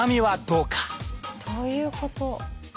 どういうこと？